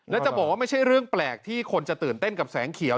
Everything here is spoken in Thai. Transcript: แล้วจะบอกว่าไม่ใช่เรื่องแปลกที่คนจะตื่นเต้นกับแสงเขียว